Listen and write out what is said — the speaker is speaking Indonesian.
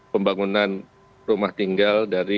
pembangunan rumah tinggal